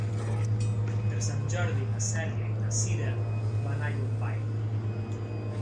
Per Sant Jordi na Cèlia i na Cira van a Llombai.